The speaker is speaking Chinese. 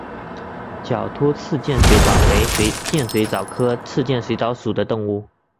角突刺剑水蚤为剑水蚤科刺剑水蚤属的动物。